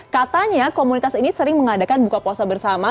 katanya komunitas ini sering mengadakan buka puasa bersama